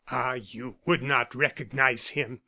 Ah! you would not recognize him!